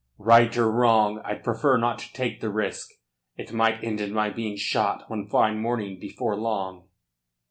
"Right or wrong, I'd prefer not to take the risk. It might end in my being shot one fine morning before long."